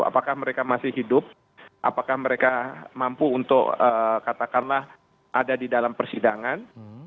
apakah mereka masih hidup apakah mereka mampu untuk katakanlah ada di dalam persidangan